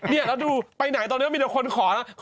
เออแล้วดูไปไหนตอนนี้ก็มีเดี๋ยวคนขอ